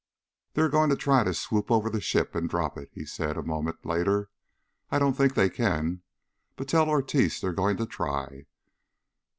"They're going to try to swoop over the ship and drop it," he said a moment later. "I don't think they can. But tell Ortiz they're going to try."